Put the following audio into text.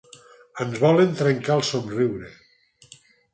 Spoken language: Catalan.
Ens volen trencar el somriure.